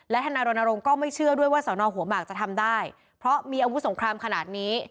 ธนารณรงค์ก็ไม่เชื่อด้วยว่าสอนอหัวหมากจะทำได้เพราะมีอาวุธสงครามขนาดนี้